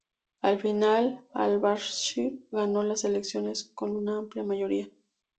Al final, Al-Bashir ganó las elecciones con una amplia mayoría.